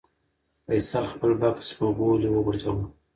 فیصل خپل بکس په غولي وغورځاوه.